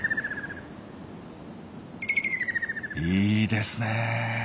いいですねえ。